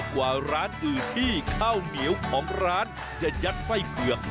ก็คือข้าวเหนียวของร้านจะยัดไส้เผือก